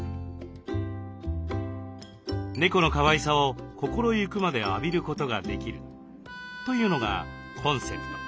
猫のかわいさを心ゆくまで浴びることができるというのがコンセプト。